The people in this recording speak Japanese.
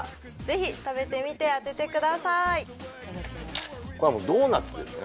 ぜひ食べてみて当ててくださいいただきます